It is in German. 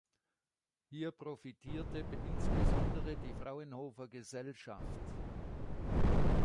Hier profitierte insbesondere die Fraunhofer-Gesellschaft.